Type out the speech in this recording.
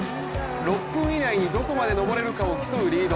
６分以内にどこまで登れるかを競うリード。